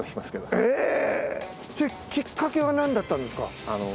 それきっかけは何だったんですか？